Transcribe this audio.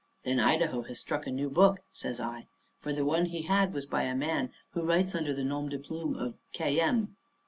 "Then Idaho has struck a new book," says I, "for the one he had was by a man who writes under the nom de plume of K. M."